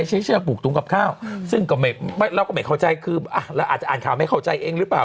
เชือกปลูกถุงกับข้าวซึ่งก็ไม่เราก็ไม่เข้าใจคือเราอาจจะอ่านข่าวไม่เข้าใจเองหรือเปล่า